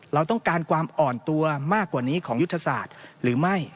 เราต้องการความอ่อนตัวมากกว่านี้ของยุทธศาสตร์หรือไม่